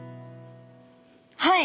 はい！